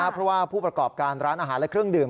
เพราะว่าผู้ประกอบการร้านอาหารและเครื่องดื่ม